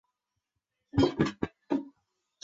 聂家寺的历史年代为清。